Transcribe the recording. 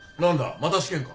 また試験か？